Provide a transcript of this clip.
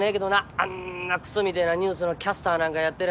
あんなくそみてぇなニュースのキャスターなんかやってりゃ